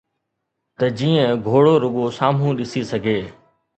ته جيئن گهوڙو رڳو سامهون ڏسي سگهي.